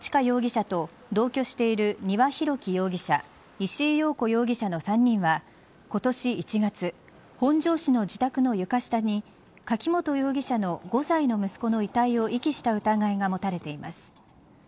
容疑者と同居している丹羽洋樹容疑者石井陽子容疑者の３人は今年１月本庄市の自宅の床下に柿本容疑者の５歳の息子の遺体を遺棄した疑いが持たれています。